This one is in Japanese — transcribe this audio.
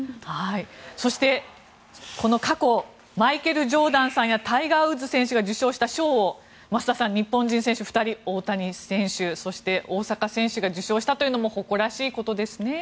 そして、この過去マイケル・ジョーダンさんやタイガー・ウッズ選手が受賞した賞を増田さん、日本選手２人大谷選手、そして大坂選手が受賞したというのも誇らしいことですね。